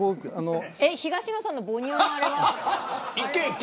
東野さんの母乳のあれは。